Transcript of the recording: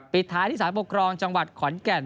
ปิดท้ายที่สารปกครองจังหวัดขอนแก่น